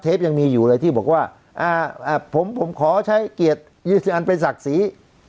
ยังมีอยู่เลยที่บอกว่าผมขอใช้เกียรติยี่สิบอันเป็นศักดิ์ศรี